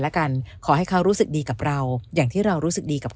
แล้วกันขอให้เขารู้สึกดีกับเราอย่างที่เรารู้สึกดีกับ